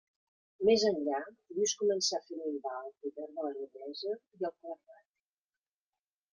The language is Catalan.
Més enllà, Lluís començà a fer minvar el poder de la noblesa i el clergat.